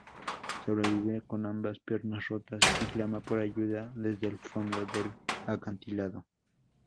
Sobrevive, con ambas piernas rotas, y clama por ayuda desde el fondo del acantilado.